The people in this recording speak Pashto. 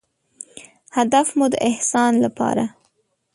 هدف مو د احسان لپاره